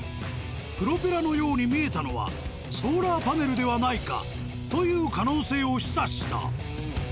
プロペラのように見えたのはソーラーパネルではないかという可能性を示唆した。